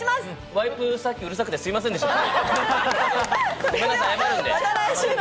ワイプ、さっき、うるさくてすいませんでした。